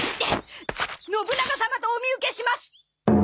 信長様とお見受けします！